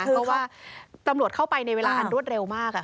เพราะว่าตำรวจเข้าไปในเวลาอันรวดเร็วมาก